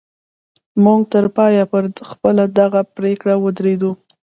موږ تر پایه پر خپله دغه پرېکړه ودرېدو